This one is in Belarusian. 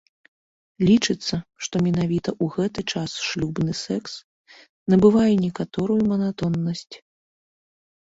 Лічыцца, што менавіта ў гэты час шлюбны секс набывае некаторую манатоннасць.